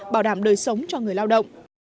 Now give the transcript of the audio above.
bảo đảm đời sống cho người lao động